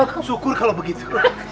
cakap cukur kalau begitu